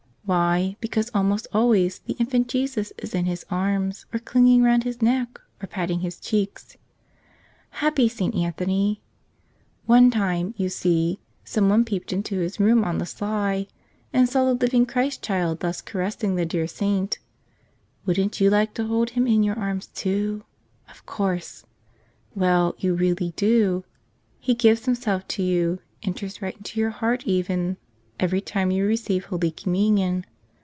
Why, because almost always the Infant Jesus is in his arms, or clinging round his neck, or patting his cheeks. Happy St. An¬ thony! One time, you see, someone peeped into his room on the sly — and saw the living Christ Child thus caressing the dear saint. Wouldn't you like to hold Him in your arms, too? Of course! Well, you really do. He gives Himself to you, enters right into your heart even, every time you receive Holy Communion.